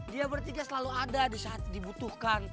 dia bertiga selalu ada di saat dibutuhkan